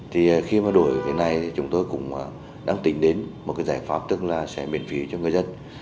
thì khi mà đổi cái này chúng tôi cũng đang tính đến một cái giải pháp tức là sẽ miễn phí cho người dân